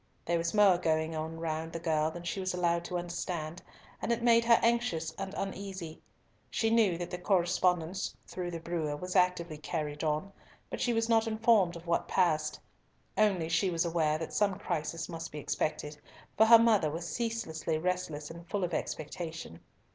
There was more going on round the girl than she was allowed to understand, and it made her anxious and uneasy. She knew that the correspondence through the brewer was actively carried on, but she was not informed of what passed. Only she was aware that some crisis must be expected, for her mother was ceaselessly restless and full of expectation.